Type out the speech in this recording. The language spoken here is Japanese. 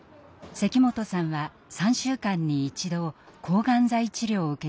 関本さんは３週間に１度抗がん剤治療を受けています。